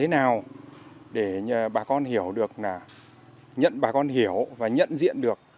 nào để bà con hiểu được là nhận bà con hiểu và nhận diện được